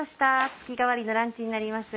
月替わりのランチになります。